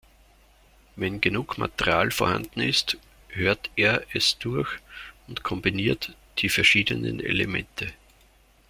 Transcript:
Wenn genug Material vorhanden ist, hört er es durch und kombiniert die verschiedenen Elemente.